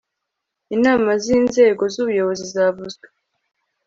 inama z inzego z ubuyobozi zavuzwe